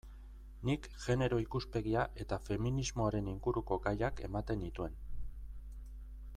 Nik genero ikuspegia eta feminismoaren inguruko gaiak ematen nituen.